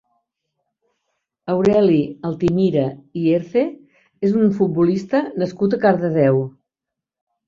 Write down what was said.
Aureli Altimira i Herce és un futbolista nascut a Cardedeu.